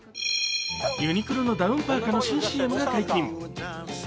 ユニクロのダウンパーカの新ＣＭが解禁。